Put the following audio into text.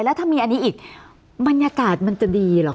แล้วถ้ามีอันนี้อีกบรรยากาศมันจะดีเหรอค